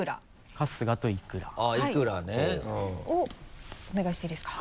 「かすが」と「いくら」あっ「いくら」ね。をお願いしていいですか？